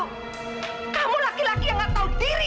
kamu laki laki yang gak tahu diri